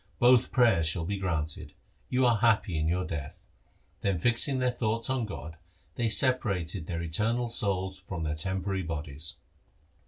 Both prayers shall be granted. You are happy in your death.' Then fixing their thoughts on God they separated their eternal souls from their temporary bodies.